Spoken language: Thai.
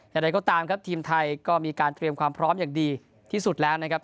อย่างไรก็ตามครับทีมไทยก็มีการเตรียมความพร้อมอย่างดีที่สุดแล้วนะครับ